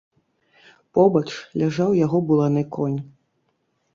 Побач ляжаў яго буланы конь.